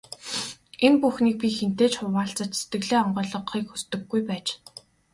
Энэ бүхнийг би хэнтэй ч хуваалцаж, сэтгэлээ онгойлгохыг хүсдэггүй байж.